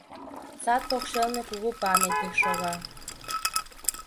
Сад покшелне кугу памятник шога.